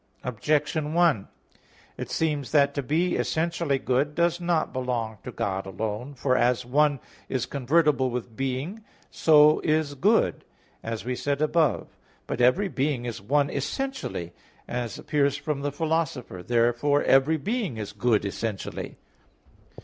Objection 1: It seems that to be essentially good does not belong to God alone. For as one is convertible with being, so is good; as we said above (Q. 5, A. 1). But every being is one essentially, as appears from the Philosopher (Metaph. iv); therefore every being is good essentially.